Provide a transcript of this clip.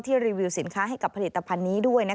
รีวิวสินค้าให้กับผลิตภัณฑ์นี้ด้วย